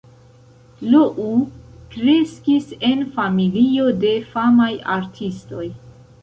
Lou kreskis en familio de famaj artistoj.